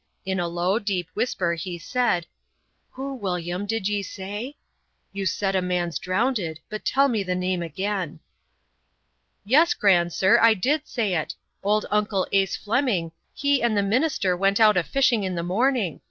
In a low, deep whisper, he said, "Who, William, did ye say? You said a man's drownded, but tell me the name again." "Yes, Gran'sir, I did say it. Old Uncle Ase Flemming, he and the minister went out a fishing in the morning.